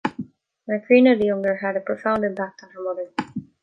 Macrina the Younger had a profound impact on her mother.